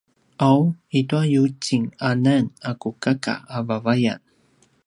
’aw i tua yucinganan a ku kaka a vavayan